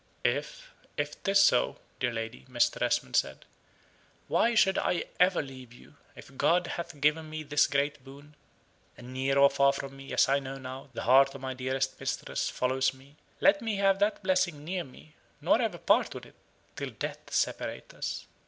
"If if 'tis so, dear lady," Mr. Esmond said, "why should I ever leave you? If God hath given me this great boon and near or far from me, as I know now, the heart of my dearest mistress follows me, let me have that blessing near me, nor ever part with it till death separate us.